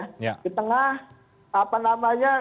di tengah apa namanya